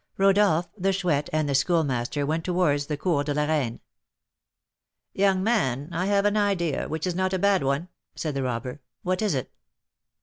Rodolph, the Chouette, and the Schoolmaster went towards the Cours la Reine. "Young man, I have an idea, which is not a bad one," said the robber. "What is it?"